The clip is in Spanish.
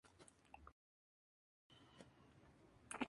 Y las mujeres somos excluidas como estudiantes allí".